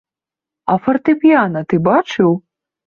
А фартэпіяна ты бачыў?